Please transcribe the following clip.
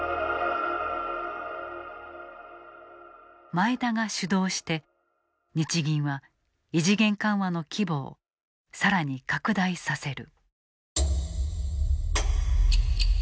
前田が主導して日銀は異次元緩和の規模をさらに拡大させる。